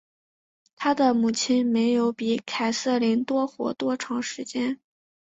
她的母亲没有比凯瑟琳多活多长时间。